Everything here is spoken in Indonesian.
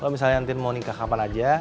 kalau misalnya nanti mau nikah kapan aja